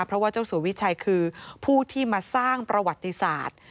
เพราะว่าเจ้าสัววิชัยคือผู้ที่มาสร้างประวัติศาสตร์